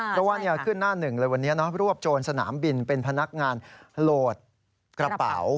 เพราะว่าขึ้นหน้าหนึ่งเลยวันนี้รวบโจรสนามบินเป็นพนักงานโหลดกระเป๋า